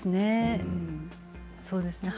そうですね。